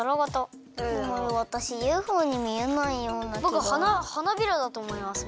ぼく花びらだとおもいます。